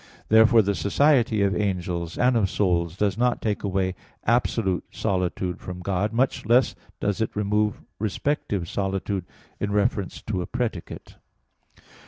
Therefore the society of angels and of souls does not take away absolute solitude from God; much less does it remove respective solitude, in reference to a predicate.